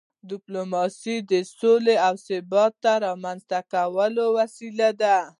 ډیپلوماسي د سولې او ثبات د رامنځته کولو وسیله ده.